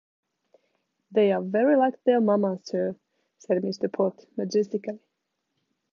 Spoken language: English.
‘They are very like their mamma, Sir,’ said Mr. Pott, majestically.